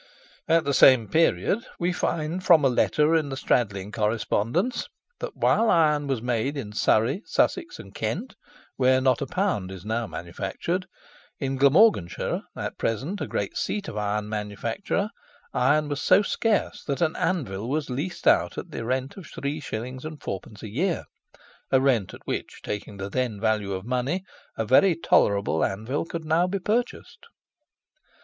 At the same period, we find from a letter in the Stradling Correspondence, {125b} that, while iron was made in Surrey, Sussex, and Kent, where not a pound is now manufactured, in Glamorganshire, at present a great seat of iron manufacture, iron was so scarce that an anvil was leased out at the rent of 3s. 4d. a year, a rent at which, taking the then value of money, a very tolerable anvil could now be purchased.